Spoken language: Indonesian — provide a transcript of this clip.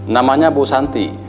namanya bu santi